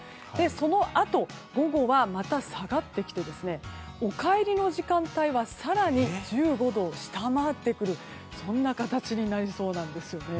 そのあと、午後はまた下がってきてお帰りの時間帯は更に１５度を下回ってくるそんな形になりそうなんですね。